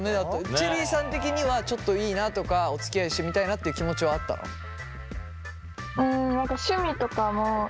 チェリーさん的にはちょっといいなとかおつきあいしてみたいなっていう気持ちはあったの？え！？